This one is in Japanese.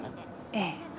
ええ。